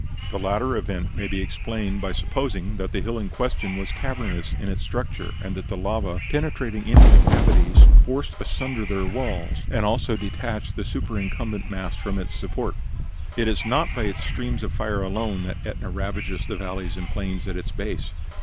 The latter event may be explained by supposing that the hill in question was cavernous in its structure, and that the lava, penetrating into the cavities, forced asunder their walls, and so detached the superincumbent mass from its supports. It is not by its streams of fire alone that Etna ravages the valleys and plains at its base.